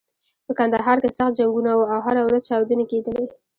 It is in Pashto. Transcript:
په کندهار کې سخت جنګونه و او هره ورځ چاودنې کېدلې.